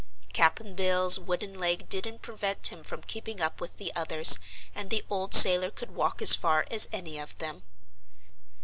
Cap'n Bill's wooden leg didn't prevent him from keeping up with the others and the old sailor could walk as far as any of them.